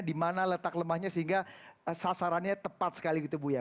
di mana letak lemahnya sehingga sasarannya tepat sekali gitu bu ya